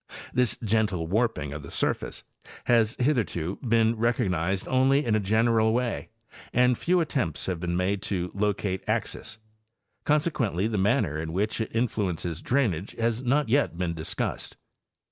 This gentle warping of the surface has hitherto been recognized only in a general way and few attempts have been made to locate axes; conse quently the manner in which it influences drainage has not yet been discussed.